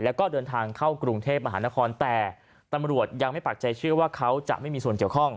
แล้วก็เดินทางเข้ากรุงเทพมหานครแต่ตำรวจยังไม่ปักใจเชื่อว่าเขาจะไม่มีส่วนเกี่ยวข้อง